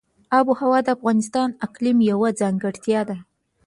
آب وهوا د افغانستان د اقلیم یوه ځانګړتیا ده.